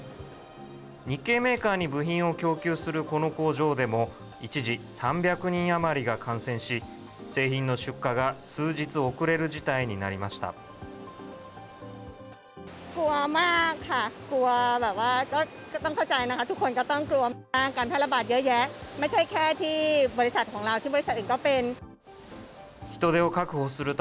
日系メーカーに部品を供給するこの工場でも、一時３００人余りが感染し、製品の出荷が数日遅れる事態になりました。